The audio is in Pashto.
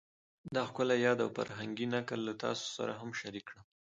دا ښکلی یاد او فرهنګي نکل له تاسو سره هم شریک کړم